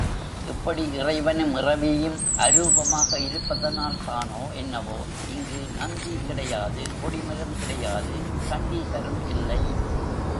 இப்படி இறைவனும் இறைவியும் அரூபமாக இருப்பதனால்தானோ என்னவோ இங்கு நந்தி கிடையாது, கொடிமரம் கிடையாது, சண்டீசரும் இல்லை.